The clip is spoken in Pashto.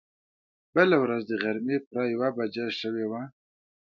بله ورځ د غرمې پوره يوه بجه شوې وه.